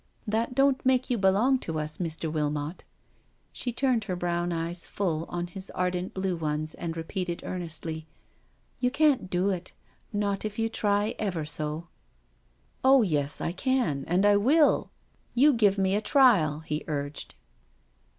That don't make you belong to us, Mr. Wilmot." She turned her brown eyes full on his ardent blue ones and repeated earnestly, " You can't do it, not if you try ever so." *' Oh yes, I can, and I will — you give me a trial," he urged.